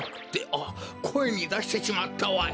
あっこえにだしてしまったわい！